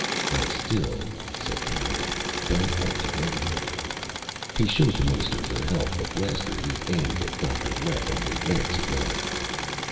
"I still," said Calhoun, "don't want to go there." He showed the Minister for Health the blaster he'd aimed at Dr. Lett only minutes ago.